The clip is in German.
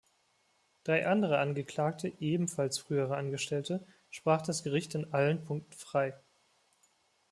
Drei andere Angeklagte, ebenfalls frühere Angestellte, sprach das Gericht in allen Punkten frei.